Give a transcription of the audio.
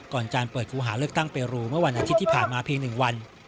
การเปิดคู่หาเลือกตั้งเปรูเมื่อวันอาทิตย์ที่ผ่านมาเพียง๑วัน